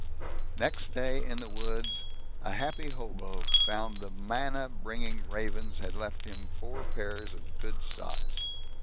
Next day, in the woods, a happy hobo found that the manna bringing ravens had left him four pairs of good socks.